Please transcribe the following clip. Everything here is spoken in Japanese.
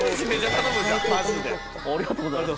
ありがとうございます。